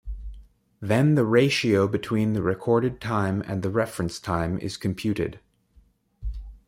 Then the ratio between the recorded time and the reference time is computed.